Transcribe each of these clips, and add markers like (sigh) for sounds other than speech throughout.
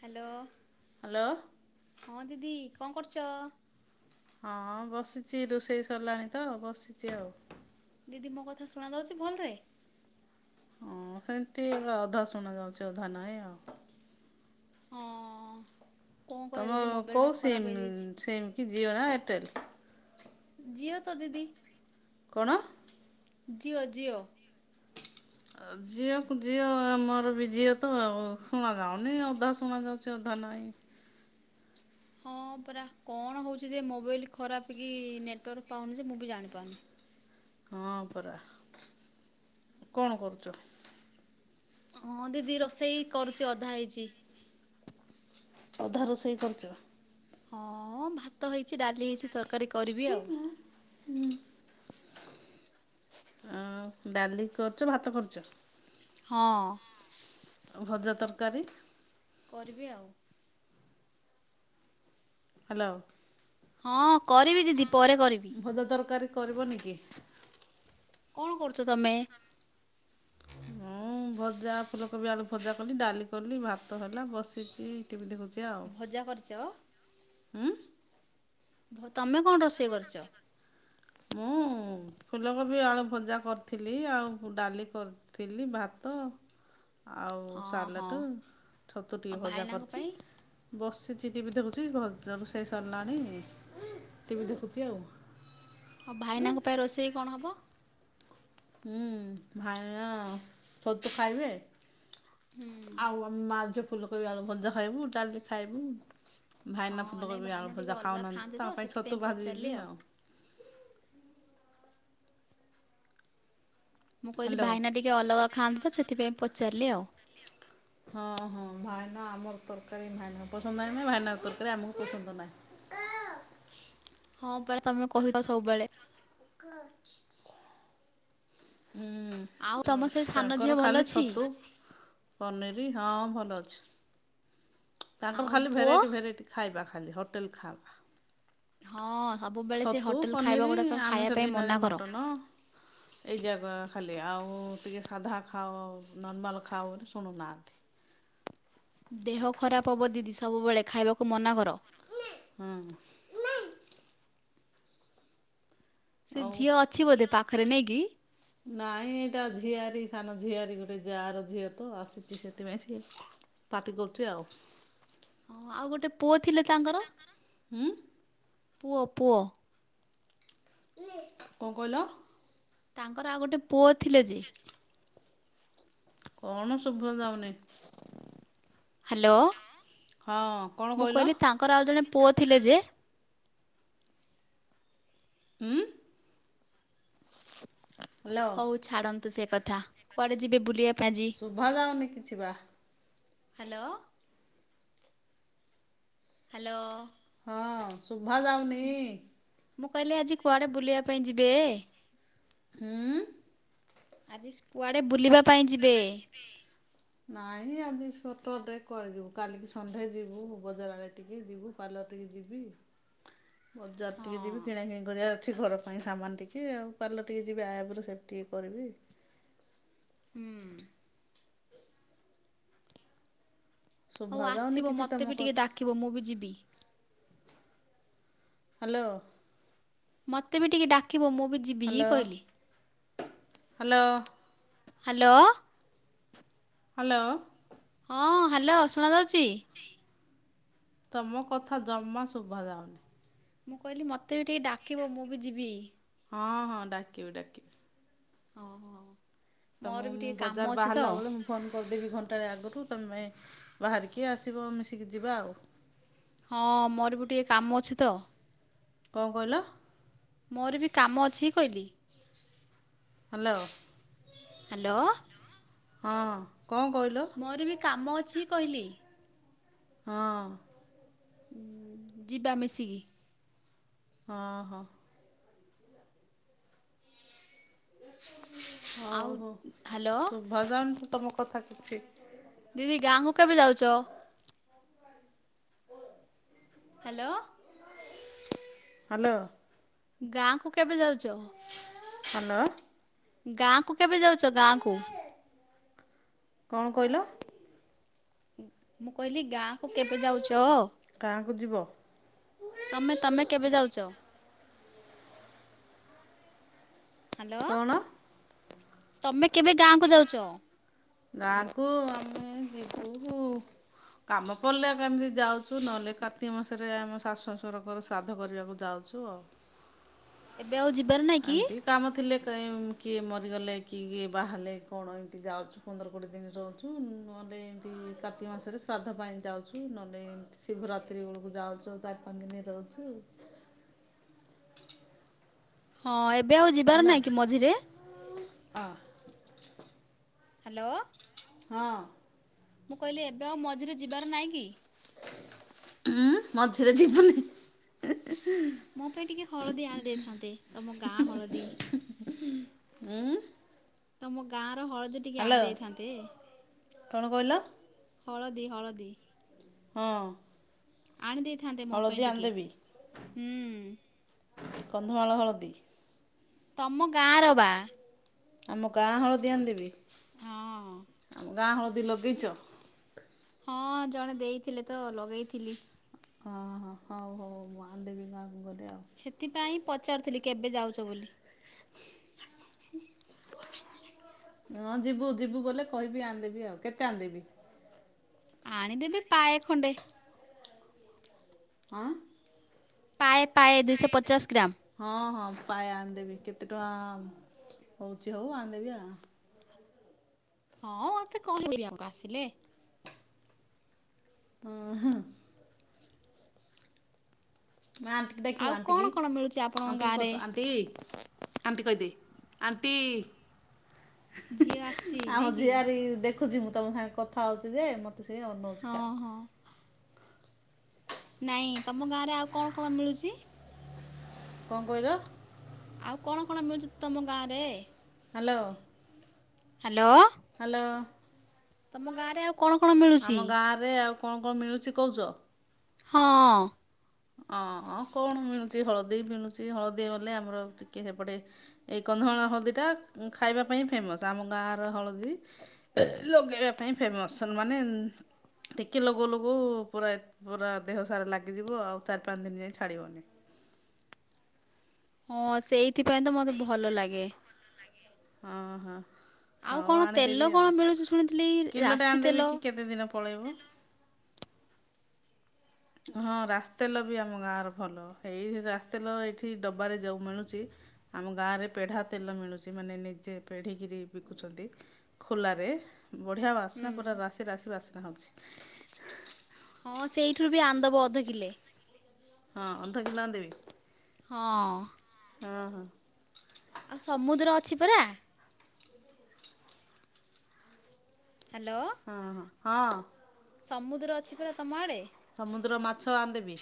Hello hello ହଁ ଦିଦି କଣ କରୁଛ? ହଁ ବସିଛି ରୋଷେଇ ସରିଲାଣି ତ ବସିଛି ଆଉ। ଦିଦି ମୋ କଥା ଶୁଣା ଯାଉଛି ଭଲରେ। ହଁ ସେମତି ଅଧା ଶୁଣା ଯାଉଛି ଅଧା ନାହିଁ ଆଉ। ହଁ। କଣ କରିବା ଦିଦି ତମର ମୋବାଇଲଟା କୋଉ ଖରାପ ସିମ୍ ହେଇଯାଇଛି ସିମ୍ କି ଜିଓ ନା ଏୟାରଟେଲ୍? ଜିଓ ତ ଦିଦି କଣ? ଜିଓ ଜିଓ। ଝିଅକୁ ଝିଅ ଆମର ବି ଝିଅ ତ ଶୁଣ ଯାଉନି ଅଧା ଶୁଣ ଯାଉ ଚି ଅଧା ନାହିଁ। ହଁ ପରା କଣ ହଉଛି ଯେ ମୋବାଇଲ ଖରାପ କି ନେଟୱାର୍କ ପାଉନି ସେ ମୁଁ ବି ଜାଣିପାରୁନି। ହଁ ପରା କଣ କରୁଛ? ହଁ ଦିଦି ରୋଷେଇ କରୁଛି ଅଧା ହେଇଛି। ଅଧା ରୋଷେଇ କରୁଛ। ହଁ ଭାତ ହେଇଛି, ଡାଲି ହେଇଛି, ତରକାରୀ କରିବି ଆଉ। ହୁଁ। ଆ ଡାଲି କରୁଛ ଭାତ କରୁଛ। ହଁ। ଭଜା, ତରକାରୀ। କରିବି ଆଉ। ହାଲୋ। ହଁ କରିବି ଦିଦି ପରେ କରିବି। ଭଜା ତରକାରୀ କରିବନି କି? କଣ କରୁଛ ତମେ? ମୁଁ ଭଜା ଫୁଲକୋବି ଆଳୁ ଭଜା କଲି ଡାଲି କଲି ଭାତ ହେଲା ବସିଛି। ଟିଭି ଦେଖଛି ଆଉ। ଭଜା କରିଛ? ଉଁ। ମୁଁ ତମେ ହତୁ କଣ ରୋଷେଇ କରିବୁ? ମୁଁ। ହଁ ଫୁଲକୋବି ଆଳୁ ଭଜା କରିଥିଲି ଆଉ ଡାଲି କରି ଥିଲି ଭାତ ଆଉ ହଁ ହଁ ସାଲାଟ ଆଉ ଛତୁଟିିକେ ଭଜା ଭାଇନାଙ୍କ କରିଚି। ପାଇଁ ବସିଚି ଟିଭି ଦେଖୁଛି ଭ ରୋଷେଇ ସରିଲାଣି। ଟିଭି ଦେଖୁଛି ଆଉ। ଆଉ ଭାଇନାଙ୍କ ପାଇଁ ରୋଷେଇ କଣ ହବ? ହୁଁ ଭାଇନା ଛତୁ ଖାଇବେ ହୁଁ ଆଉ ଆମେ ମା ଝିଅ ଫୁଲକୋବି ଆଳୁ ଭଜା ଖାଇବୁ ଡାଲି ଖାଇବୁ। ଭାଇନା ହଁ ନାଇଁ ଫୁଲକୋବି ଭାଇନା ଆଳୁ ଟିକେ ଭଜା ଅଲଗା ଖାଉନାହାଁନ୍ତି ତ ଖାଆନ୍ତି ତାଙ୍କ ପାଇଁ ସେଥିପାଇଁ ଛତୁ ପଚାରିଲି ଭାଜୀଦେବି ଆଉ। ମୁଁ କହିଲି ହ୍ୟାଲୋ। ଭାଇନା ଟିକେ ଅଲଗା ଖାଆନ୍ତି ତ ସେଥିପାଇଁ ପଚାରିଲି ଆଉ। ହଁ ହଁ ଭାଇନା ଆମର ତରକାରୀ ଭାଇନା ପସନ୍ଦ ନାହିଁ ନାଇଁ ଭାଇନା ଙ୍କ ତରକାରୀ ଆମକୁ ପସନ୍ଦ ନାହିଁ। ହଁ ପରା ତମେ କହିଚ ସବୁବେଳେ। ଆଉ ହୁଁ ତମ ସେ ସାନ ଝିଅ ତାଙ୍କର ଭଲ ଖାଲି ଅଛି? ଛତୁ ପନିର ହଁ ଭଲ ଅଛି। ତାଙ୍କୁ ଆଉ ଖାଲି ପୁଅ ଭେରାଇଟି ଭେରାଇଟି ଖାଇବା ଖାଲି ହୋଟେଲ ହଁ ଖାଇବା। ସବୁବେଳେ ସେ ଛତୁ ହୋଟେଲ ଖାଇବା ପନିର ଗୁଡାକ ଖାଇବା ଆମିଷ ପାଇଁ ଦିନରେ ମନା କର। ମଟନ ଏଇ ଯାଗ ଖାଲି ଆଉ ଟିକେ ସାଧା ଖାଅ ନର୍ମାଲ୍ ଖାଅ ବୋଲି ଶୁଣୁନାହାନ୍ତି। ଦେହ ଖରାପ ହବ ଦିଦି ସବୁବେଳେ ଖାଇବାକୁ ମନା କର। ହୁଁ। ସେ ଆଉ ଝିଅ ଅଛି ବୋଧେ ପାଖରେ ନାଇକି। ନାଇଁ ଏଇଟା ଝିଆରୀ ସାନ ଝିଆରୀ ଗୋଟେ ଯା ର ଝିଅ ତ ଆସିଛି ସେଥିପାଇଁ ସିଏ ପାଟି କରୁଚି ଆଉ। ହଁ ଆଉ ଗୋଟେ ପୁଅ ଥିଲେ ତାଙ୍କର? ହୁଁ? ପୁଅ ପୁଅ? କଣ କହିଲ? ତାଙ୍କର ଆଉ ଗୋଟେ ପୁଅ ଥିଲେ ଯେ? (unintelligible) କଣ ଶୁବା ଯାଉନି? ହ୍ୟାଲୋ ହଁ କଣ ମୁଁ କହିଲ କହିଲି ତାଙ୍କର ଆଉ ଜଣେ ପୁଅ ଥିଲେ ଯେ? ହୁଁ। ହ୍ୟାଲୋ। ଛାଡନ୍ତୁ ସେ କଥା କୁଆଡେ ଯିବେ ବୁଲିଆ ଶୁଭା ଯାଉନି କିଛି ବା। ହ୍ୟାଲୋ। ହ୍ୟାଲୋ। ହଁ ଶୁଭା ଯାଉନି ମୁଁ କହିଲି ଆଜି କୁଆଡେ ବୁଲିବା ପାଇଁ ଯିବେ? ଉଁ ଆଜି କୁଆଡ଼େ ବୁଲିବା ପାଇଁ ଯିବେ? ନାଇଁ ଆଜି ସଟରଡେ କୁଆଡେ ଯିବୁ କାଲିକି ସନଡେ ଯିବୁ ବଜାର ଆଡେ ଟିକେ ଯିବୁ। ପାର୍ଲର ଟିକେ ଯିବି। (inaudible) ବଜାର ହଁ ଟିକେ ଯିବି କିଣାକିଣି କରିବା ଅଛି ଘର ପାଇଁ ସାମାନ ଟିକେ ଆଉ ପାର୍ଲର ଟିକେ ଯିବି ଆଇବ୍ରୋ ଟିକେ ସେପ୍ କରିବି। ହୁଁ। ହଉ ଶୁଭା ଯାଉନି ଆସିବ କିଛି ମତେ ତମ ବି ଟିକେ କଥା ଡାକିବ ମୁଁ ବି ଯିବି। ହ୍ୟାଲୋ। ମତେ ବି ଟିକେ ଡାକିବ ମୁଁ ବି ଯିବି ହ୍ୟାଲୋ କହିଲି ହ୍ୟାଲୋ। ହ୍ୟାଲୋ। ହ୍ୟାଲୋ। ହଁ ହ୍ୟାଲୋ ଶୁଣାଯାଉଛି। ତମ କଥା ଜମା ଶୁଭା ଯାଉନି। ମୁଁ କହିଲି ମତେ ବି ଟିକେ ଡାକିବ ମୁଁ ବି ଯିବି। ହଁ ହଁ ଡାକିବି ଡାକିବି। ଓହୋ। ତମକୁ ମୁଁ ବଜାର ବାହାରିଲା ବେଳେ ମୁ ଫୋନ୍ କରିଦେବି ଘଣ୍ଟାଏ ଆଗରୁ ତମେ ବାହାରିକି ଆସିବ ମିଶିକି ଯିବା ଆଉ। ହଁ ମୋର ବି ଟିକେ କାମ ଅଛି ତ। କଅଁ କହିଲ। ମୋର ବି କାମ ଅଛି କହିଲି। ହ୍ୟାଲୋ। ହ୍ୟାଲୋ। ହଁ କଅଁ କହିଲ। ମୋର ବି କାମ ଅଛି କହିଲି। ହଁ। ଯିବା ମିଶିକି। ହଁ ହଁ। ଆଉ ହଉ ହୋ ହ୍ୟାଲୋ ଶୁଭା ଜାଉନି ତ ତମ କଥା କିଛି। ଦିଦି ଗାଁକୁ କେବେ ଯାଉଚ। ହ୍ୟାଲୋ। ହ୍ୟାଲୋ। ଗାଁ କୁ କେବେ ଯାଉଚ଼। ହ୍ୟାଲୋ। ଗାଁ କୁ କେବେ ଯାଉଛ ଗାଁ କୁ କଣ କହିଲ? ମୁଁ କହିଲି ଗାଁ କୁ କେବେ ଯାଉଚ ଓ? ଗାଁ କୁ ଯିବ? ତମେ ତମେ କେବେ ଯାଉଛ? ହ୍ୟାଲୋ କଣ ତମେ କେବେ ଗାଁ କୁ ଯାଉଚ? ଗାଁକୁ ଆମେ ଜିବୁ ହୁ କାମ ପଡିଲେ କେବେ କେମିତି ଯାଉଛୁ ନହେଲେ କାର୍ତିକ ମାସରେ ଆମ ଶାଶୁ ଶଶୁରଙ୍କର ଶ୍ରାଦ୍ଧ କରିବାକୁ ଯାଉ ଅଛୁ ଆଉ। ଏବେ ଆଉ ଯିବାର ନାଇଁ କି? ଏମିତି କାମ ଥିଲେ କିଏ ମରିଗଲେ କିଏ କିଏ ବାହାହେଲେ କଣ ଏମିତି ଯାଉଛୁ ତା ପନ୍ଦର କୋଡ଼ିଏ ଦିନ ରହୁଛୁ ନହେଲେ ଏମିତି କାର୍ତ୍ତିକ ମାସରେ ଶ୍ରାଦ୍ଧ ପାଇଁ ଯାଉଛୁ ନହେଲେ ଶିବରାତ୍ରି ବେଳକୁ ଯାଉଛୁ ତାରି ପାଞ୍ଚ ଦିନ ରହୁଛୁ। ହଁ ଏବେ ଆଉ ଯିବାର ନାହିଁ କି ମଝିରେ? ଅ ହ୍ୟାଲୋ। ହଁ। ମୁଁ କହିଲି ଏବେ ଆଉ ମଝିରେ ଯିବାର ନାହିଁ କି। ଉଁ ମଝିରେ ଯିବନି। ମୋ ପାଇଁ ଟିକେ ହଳଦୀ ଆଣି ଦେଇଥାନ୍ତେ ତମ ଗାଁ ହଳଦୀ। ଉଁ ତମ ଗାଁ ର ହଳଦୀ ଟିକେ ଆଣି ଦେଇଥାନ୍ତେ। କଣ କହିଲ? ହଳଦୀ ହଳଦୀ। ହଁ ଆଣ ଦେଇଥାନ୍ତେ ମୋ ହଳଦୀ ପାଇଁ ଟିକେ ଆଣିଦେବି ହୁଁ। କନ୍ଧମାଳ ହଳଦୀ। ତମ ଗାଁର ବା। ଆମ ଗାଁ ହଳଦି ଆଣିଦେବି। ହଁ ଆମ ଗାଁ ହଳଦୀ ଲଗେଇଛ। ହଁ ଜଣେ ଦେଇଥିଲେ ତ ଲଗେଇଥିଲି। ହଁ ହଁ ହଉ ହଉ ମୁଁ ଆଣିଦେବି ଗାଆଁ କୁ ଗଲେ ଆଉ। ସେଥିପାଇଁ ପଚାରୁଥିଲି କେବେ ଯାଉଛ ବୋଲି। ହଁ ଯିବୁ ଯିବୁ ବୋଲେ କହିବି ଆଣିଦେବି ଆଉ କେତେ ଆଣିଦେବ? ଆଣିଦେବେ ପାଏ ଖଣ୍ଡେ। ଆଁ। ପାଏ ପାଏ ଦୁଇଶହ ପଚାଶ ଗ୍ରାମ। ହଁ ହଁ ପାଏ ଆଣିଦେବି କେତେ ଟଙ୍କା ହଉଛି ହଉ ଆଣିଦେବି ଆଉ। ହଁ ମତେ କହିବେ ଆମକୁ ଆସିଲେ। ହଁ-ହଁ। ମା ଆଣ୍ଟିିକି ଡାକିବ ଆଉ କଣ ଆଣ୍ଟିିକି କଣ ମିଳୁଛି ଆପଣଙ୍କ ଆଣ୍ଟିିକ ଗାଁରେ ଗତ ଆଣ୍ଟିି। Anti କହିଦେ anti. ଝିଅ ଆସଛି ନାଇକି। ଖୁସି ମୁଁ ତମ ସାଙ୍ଗ କଥା ହଉଛି ଯେ ମତେ ସେ ଅନଉଛି ଖାଲି ହଁ-ହଁ। ନାଇଁ ତମ ଗାଁ ରେ ଆଉ କଣ କଣ ମିଳୁଛି? କଣ କହିଲ? ଆଉ କଣ କଣ ମିଳୁଚି ତମ ଗାଁ ରେ? ହ୍ୟାଲୋ। ହ୍ୟାଲୋ। ହ୍ୟାଲୋ। ତମ ଗାଁ ରେ ଆଉ କଣ କଣ ମିଳୁଛି? ଆରେ ଆଉ କଣ କଣ ମିଳୁଛି କହୁଛ। ହଁ। ଅ କଣ ମିଳୁଛି ହଳଦୀ ମିଳୁଛି ହଳଦୀ ବଲେ ଆମର ଟିକେ ସେପଟେ ଏଇ କନ୍ଧମାଳ ହଳଦୀଟା ଖାଇବା ପାଇଁ ଫେମସ୍ ଆମ ଗାଁର ହଳଦୀ। ଲଗେଇବା ପାଇଁ ଫେମସ୍ ମାନେ ଟିକେ ଲଗଉ ଲଗଉ ପୁରା ପୁରା ଦେହ ସାରା ଲାଗିଯିବ ଆଉ ଚାରି ପାଞ୍ଚ ଦିନ ଯାଏଁ ଛାଡିବନି। ହଁ ସେଇଥିପାଇଁ ତ ମତେ ଭଲ ଲାଗେ। ଅଁ ହଁ ଆଉ ହଉ କଣ ତେଲ ଆଣିଦେବି ଆଉ କଣ ମିଳୁଛି ଶୁଣିଥିଲି କିଲୋ ଟେ ରାଶି ତେଲ। ଆଣିଦେବି କି କେତେ ଦିନ ପଳେଇବ। ହଁ ରାସି ତେଲ ବି ଆମ ଗାଁର ଭଲ ଏଇ ରାସ୍ତେଲ ଏଇଠି ଡବାରେ ଯେଉଁ ମିଳୁଛି ଆମ ଗାଁରେ ପେଢ଼ା ତେଲ ମିଳୁଛି ମାନେ ନିଜେ ପେଢ଼ିକିରି ବିକୁଛନ୍ତି ଖୋଲାରେ ବଢିଆ ହୁଁ ବାସ୍ନା ପୁରା ରାଶି ରାସି ବାସିନା ହେଉଛି ହଁ ସେଇଠରୁ ବି ଆନ୍ଦବଅଧକିଲେ ହଁ ଅଧ କିଲୋ ଆଣି ଦେବି ହଁ ହଁ ହଁ ଆଉ ସମୁଦ୍ର ଅଛି ପରା ହ୍ୟାଲୋ ହଁ ହଁ ହଁ ସମୁଦ୍ର ଅଛି ପରା ତମ ଆଡେ ସମୁଦ୍ର ମାଛ ଆଣିଦେବି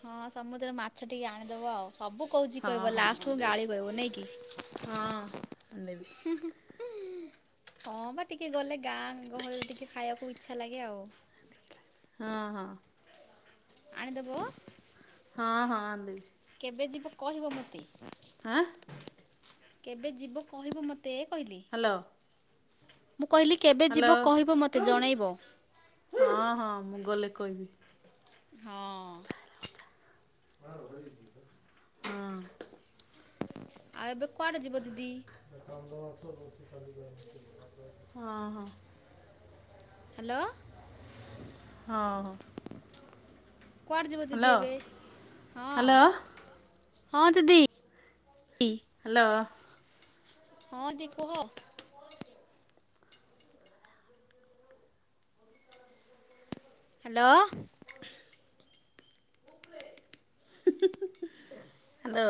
ହଁ ସମୁଦ୍ର ମାଛ ଟିକେ ଆଣିଦବ ଆଉ ସବୁ କହୁଛି ହଁ କହିବ ହଁ ଲାଷ୍ଟ କୁ ଆଣିଦେବି ଗାଳି କହିବ ନାଇ କି ହଁ ଆଣିଦେବି। ହୁଁ ହୁଁ ହଁ ବା ଟିକେ ଗଲେ ଗାଁ ଗହଳିରେ ଟିକେ ଖାଇବାକୁ ଇଚ୍ଛା ଲାଗେ ଆଉ ହଁ ହଁ ଆଣିଦବ ହଁ ହଁଆଣିଦେଵି କେବେ ଯିବ କହିବ ମୋତେ ଆଁ କେବେ ଯିବ କହିବ ମତେ ଏ କହିଲି ହ୍ୟାଲୋ ମୁଁ କହିଲି କେବେ ହ୍ୟାଲୋ ଯିବ କହିବ ମୋତେ ଜଣାଇବ ହଁ ହଁ ମୁଁ ଗଲେ କହିବି ହଁ ହଁ ରି (unintelligible) ଆଉ ଏବେ କୁଆଡ଼େ ଯିବ ଦିଦି? (unintelligible) ହଁ ହଁ ହ୍ୟାଲୋ ହଁ କୁଆଡେ ଯିବ ଦିଦି ଏବେ ହଁ ହ୍ୟାଲୋ ହ୍ୟାଲୋ ହଁ ଦିଦି ହ୍ୟାଲୋ ହଁ ଦି କୁହ ହ୍ୟାଲୋ ଆଲୋ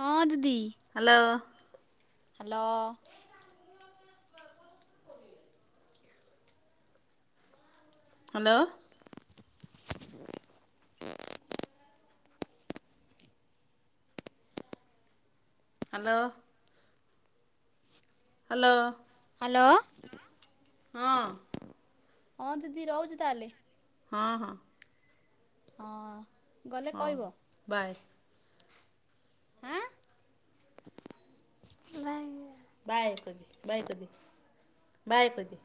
ହଁ ଦିଦି hello hello hello hello hello hello ହଁ ହଁ ଦିଦି ରହୁଛି ତାହେଲେ ହଁ ହଁ ହଁ ଗଲେ ହଉ କହିବ ବାଏ। ଆଁ। ବାଏ କି ବାଏ କହିଦେ। ବାଏ କହିଦେ।